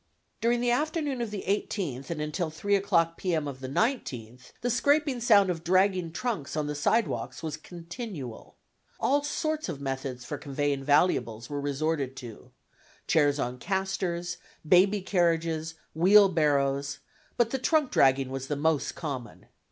During the afternoon of the 18th and until 3 o'clock P. M. of the 19th the scraping sound of dragging trunks on the sidewalks was continual. All sorts of methods for conveying valuables were resorted to, chairs on casters, baby carriages, wheelbarrows, but the trunk dragging was the most common.